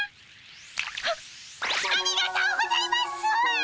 はっありがとうございます！